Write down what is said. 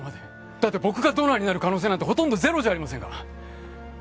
だって僕がドナーになる可能性なんてほとんどゼロじゃありませんか。